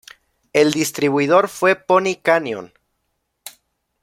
El distribuidor fue Pony Canyon.